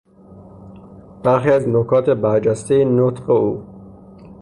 برخی از نکات برجستهی نطق او